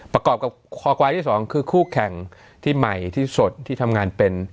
ประกอบกับคอควายที่สองคือคู่แข่งที่ใหม่ที่สุดที่ทำงานเป็น